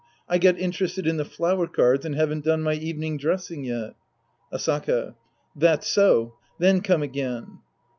I got interested in the flower cards and haven't done my evening dres sing yet. Asaka. That's so. Then come again.